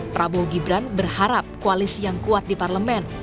prabowo gibran berharap koalisi yang kuat di parlemen